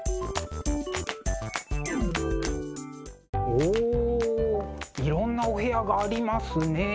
おいろんなお部屋がありますね。